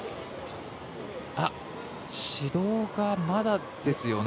指導がまだですよね。